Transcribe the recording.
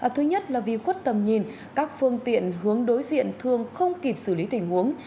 thứ nhất là vì khuất tầm nhìn các phương tiện hướng đối diện thường không kịp xử lý tình huống